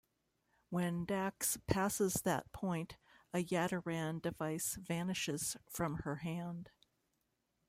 When Dax passes that point, a Yaderan device vanishes from her hand.